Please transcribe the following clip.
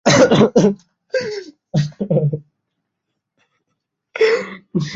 একদিকে তার সঙ্গে পরিচয় বিনিময় হচ্ছে, অন্যদিকে শুরু হলো গান গাওয়া।